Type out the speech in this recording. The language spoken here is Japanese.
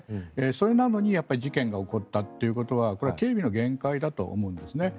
それなのに事件が起こったということはこれは警備の限界だと思うんです。